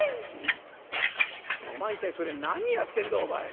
「お前一体それ何やってんだ？お前」。